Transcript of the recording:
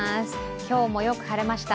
今日もよく晴れました。